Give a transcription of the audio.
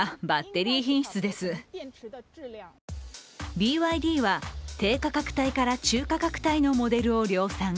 ＢＹＤは手価格帯から中価格帯のモデルを量産。